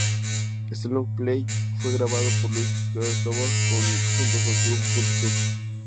Este Long Play fue grabado por Luis Gerardo Tovar junto con grupo Punto Sur.